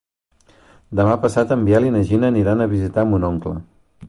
Demà passat en Biel i na Gina aniran a visitar mon oncle.